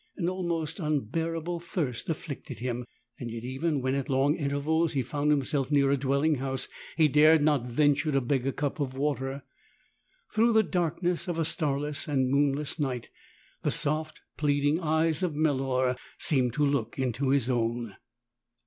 An almost unbearable thirst afflicted him; yet even when at long intervals he found himself near a dwelling house he dared not venture to beg a cup of water. Through the darkness of a starless and a moonless night the soft, pleading eyes of Melor seemed to look into his own.